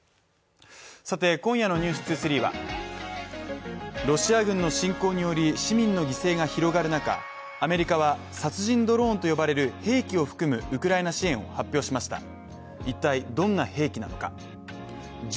今夜の「ｎｅｗｓ２３」はロシア軍の侵攻により市民の犠牲が広がる中、アメリカは殺人ドローンと呼ばれる兵器を含むウクライナ支援を発表しました。